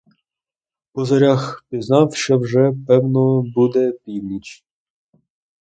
По зорях пізнав, що вже, певно, буде північ.